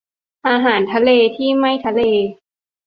อาหารทะเลที่ไม่ทะเล